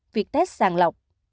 việc test sàn lọc